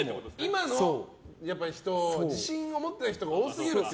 今の人は自信を持っていない人が多すぎると。